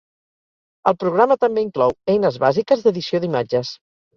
El programa també inclou eines bàsiques d'edició d'imatges.